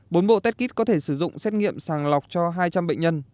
bốn bộ test kit có thể sử dụng xét nghiệm sàng lọc cho hai trăm linh bệnh nhân